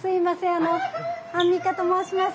あのアンミカと申します。